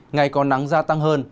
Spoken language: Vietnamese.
ngày còn nắng gia tăng hơn